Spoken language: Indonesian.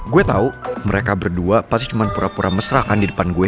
gue tau mereka berdua pasti cuma pura pura mesra kan di depan gue